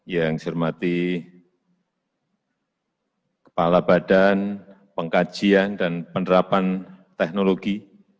yang saya hormati kepala badan pengkajian dan penerapan teknologi